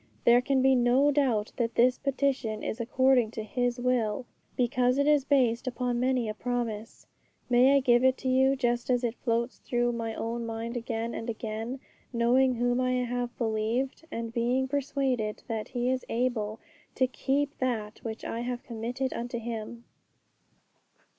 There can be no doubt that this petition is according to His will, because it is based upon many a promise. May I give it to you just as it floats through my own mind again and again, knowing whom I have believed, and being persuaded that He is able to keep that which I have committed unto Him?